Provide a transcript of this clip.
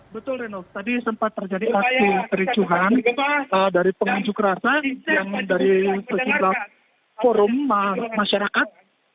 betul renov tadi sempat terjadi aksi kericuhan dari pengunjuk rasa yang dari sejumlah forum masyarakat